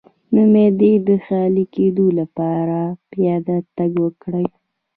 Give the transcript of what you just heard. د معدې د خالي کیدو لپاره پیاده تګ وکړئ